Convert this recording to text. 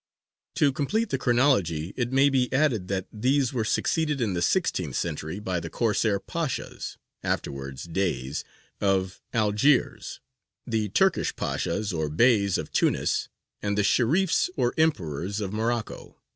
To complete the chronology it may be added that these were succeeded in the sixteenth century by the Corsair Pashas (afterwards Deys) of Algiers, the Turkish Pashas or Beys of Tunis, and the Sherīfs or Emperors of Morocco.